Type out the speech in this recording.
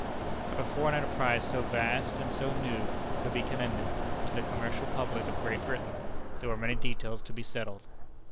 But before an enterprise so vast and so new could be commended to the commercial public of Great Britain, there were many details to be settled.